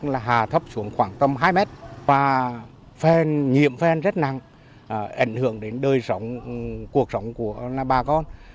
nước sạch là hà thấp xuống khoảng tầm hai mét và phèn nhiệm phèn rất nặng ảnh hưởng đến đời sống cuộc sống của bà con